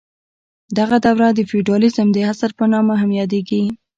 دغه دوره د فیوډالیزم د عصر په نامه هم یادیږي.